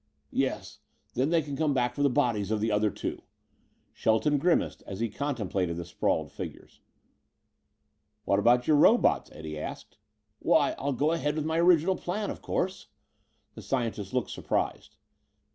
"Yes. Then they can come back for the bodies of the other two." Shelton grimaced as he contemplated the sprawled figures. "What about your robots?" Eddie asked. "Why, I'll go ahead with my original plans, of course." The scientist looked surprised.